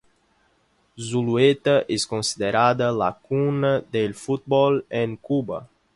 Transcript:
Zulueta es considerada la cuna del fútbol en Cuba.